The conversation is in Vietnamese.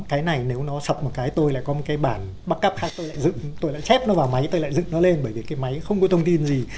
cái này nếu nó sập một cái tôi lại có một cái bản backup khác tôi lại dựng tôi lại chép nó vào máy tôi lại dựng nó lên bởi vì cái máy không có thông tin gì